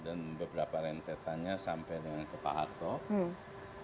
dan beberapa rentetannya sampai di tahun seribu sembilan ratus enam puluh